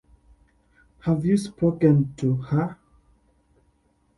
Have you spoken to her?